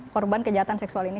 korban kejahatan seksual ini